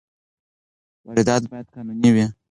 واردات باید قانوني وي.